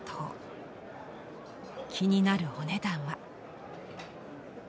気になるお値段は。